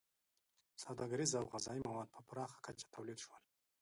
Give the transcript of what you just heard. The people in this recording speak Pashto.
• سوداګریز او غذایي مواد په پراخه کچه تولید شول.